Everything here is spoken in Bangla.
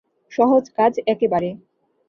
সহজ কাজ একেবারে।